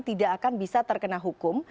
tidak akan bisa terkena hukum